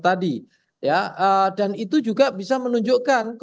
tadi ya dan itu juga bisa menunjukkan